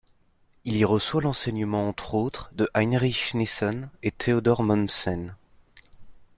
Il y reçoit l'enseignement entre autres de Heinrich Nissen et Theodor Mommsen.